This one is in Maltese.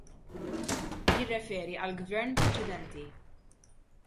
Jirreferi għall-Gvern preċedenti.